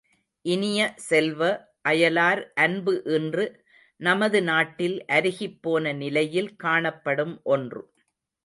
இனிய செல்வ, அயலார் அன்பு இன்று நமது நாட்டில் அருகிப்போன நிலையில் காணப்படும் ஒன்று.